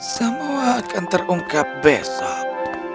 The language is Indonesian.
semua akan terungkap besok